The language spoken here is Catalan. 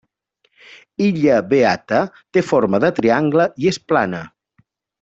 Illa Beata té forma de triangle i és plana.